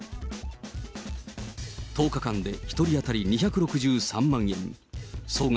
１０日間で１人当たり２６３万円、総額